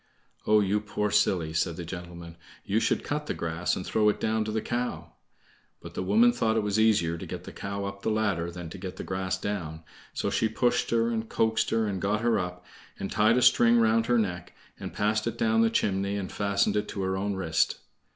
"Oh, you poor silly!" said the gentleman, "you should cut the grass and throw it down to the cow!" But the woman thought it was easier to get the cow up the ladder than to get the grass down, so she pushed her and coaxed her and got her up, and tied a string round her neck, and passed it down the chimney, and fastened it to her own wrist.